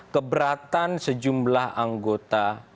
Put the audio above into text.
keberatan sejumlah anggota